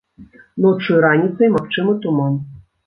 Ноччу і раніцай магчымы туман.